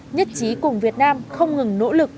nhất trí cùng việt nam không ngừng nỗ lực